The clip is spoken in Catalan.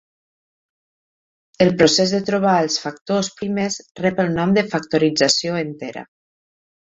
El procés de trobar els factors primers rep el nom de factorització entera.